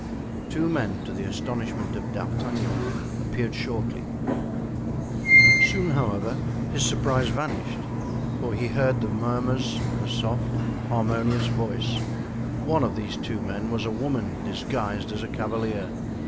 Two men, to the astonishment of D'Artagnan, appeared shortly; soon, however, his surprise vanished, for he heard the murmurs of a soft, harmonious voice; one of these two men was a woman disguised as a cavalier.